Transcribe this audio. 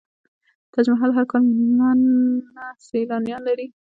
تاج محل هر کال میلیونونه سیلانیان لري.